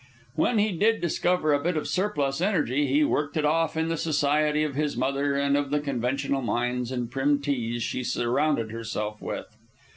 When he did discover a bit of surplus energy, he worked it off in the society of his mother and of the conventional minds and prim teas she surrounded herself with.